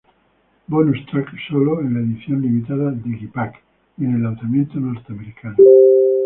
Bonus Track sólo en la edición limitada digipak y en el lanzamiento norteamericano.